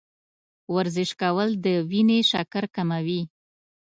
ورزش کول د وینې شکر کموي.